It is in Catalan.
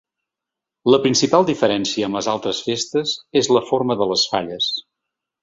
La principal diferència amb les altres festes és la forma de les falles.